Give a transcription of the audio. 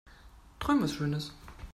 Träum was schönes.